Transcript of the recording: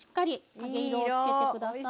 揚げ色をつけてください。